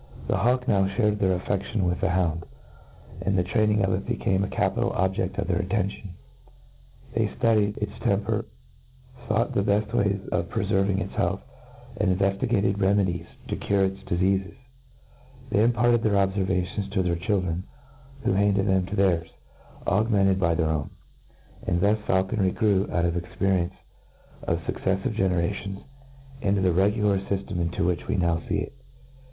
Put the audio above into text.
The hawk now (hared their aflfeftion with the hound, and the training of it became a capital objefl: of their attention. They ftudied its tern* per, fought the beft ways of prefcrving its health^' and inveftigaied remedies to cure its difeatfes> They imparted their obfervations to their chil dren, who handed them to theirs, augmented' by their own ; and thus faulconry grew, out of the experience of fucceffivc generationSj^ into the re gular fyftem iiv which we now fee it.